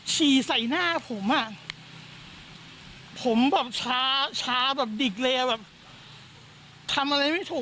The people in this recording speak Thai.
ฉี่ใส่หน้าผมอ่ะผมแบบช้าช้าแบบดิกเลยอ่ะแบบทำอะไรไม่ถูก